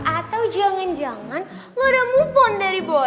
atau jangan jangan lo ada mufon dari boy